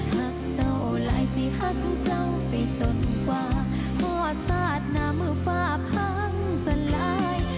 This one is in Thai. หักเจ้าหลายสิหักเจ้าไปจนกว่าหัวสาดหน้ามือฟ้าพังสลาย